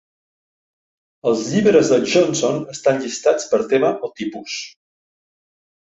Els llibres de Johnson estan llistats per tema o tipus.